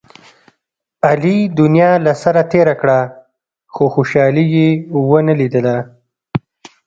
علي دنیا له سره تېره کړه، خو خوشحالي یې و نه لیدله.